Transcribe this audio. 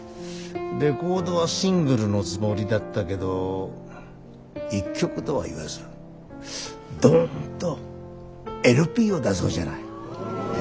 レコードはシングルのつもりだったけど１曲とは言わずドンとＬＰを出そうじゃない。